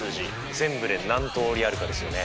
全部で何通りあるかですよね。